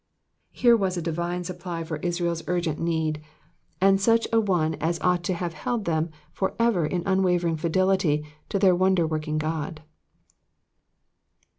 '' Here was a divine supply for Israel's urgent need, and such an one as ought to have held them for ever in unwavering fidelity to their wonder working God.